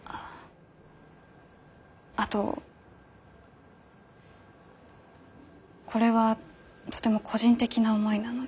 あとこれはとても個人的な思いなのですが。